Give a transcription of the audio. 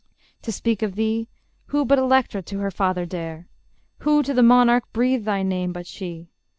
_ To speak of thee, Who but Electra to her father dare? Who to the monarch breathe thy name but she?